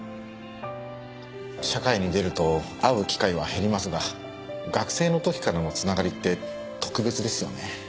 社会に出ると会う機会は減りますが学生の時からの繋がりって特別ですよね。